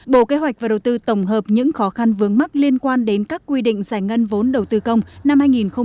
bộ kế hoạch và đầu tư tổng hợp những khó khăn vướng mắc liên quan đến các quy định giải ngân vốn đầu tư công năm hai nghìn hai mươi